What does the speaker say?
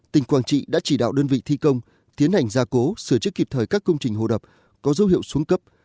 tỉnh quảng trị đã chỉ đạo đơn vị thi công tiến hành gia cố sửa chữa kịp thời các công trình hồ đập có dấu hiệu xuống cấp